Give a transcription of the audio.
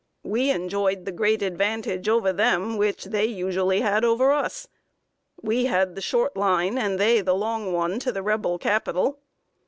We enjoyed the great advantage over them which they usually had over us: we had the short line, and they the long one, to the Rebel Capital.